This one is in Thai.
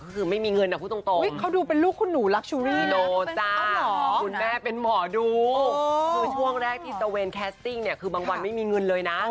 คือช่วงแรกที่ตะเวนแคสติ้งเนี่ยคือบางวันไม่มีเงินเลยนะ